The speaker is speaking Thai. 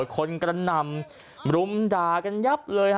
คนกำลังนำรุมดากันยับเลย